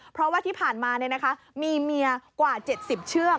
เพราะว่าที่ผ่านมามีเมียกว่า๗๐เชือก